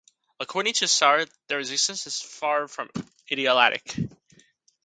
According to Asare, their existence is far from idyllic.